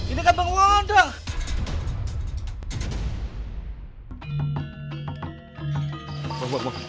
ini kan penguasa